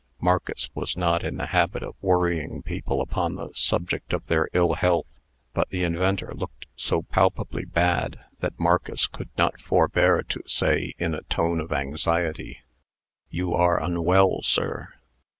Marcus was not in the habit of worrying people upon the subject of their ill health; but the inventor looked so palpably bad, that Marcus could not forbear to say, in a tone of anxiety, "You are unwell, sir."